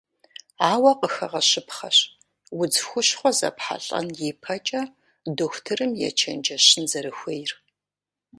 Ауэ къыхэгъэщыпхъэщ, удз хущхъуэ зэпхьэлӏэн ипэкӏэ дохутырым ечэнджэщын зэрыхуейр.